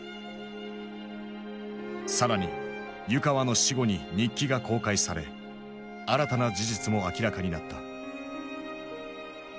更に湯川の死後に日記が公開され新たな事実も明らかになった。